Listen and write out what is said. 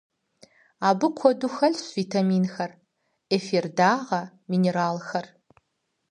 Абы куэду хэлъщ витаминхэр, эфир дагъэ, минералхэр.